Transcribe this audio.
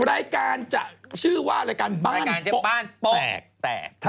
รายการชื่อว่ารายการบ้านปุ๊ก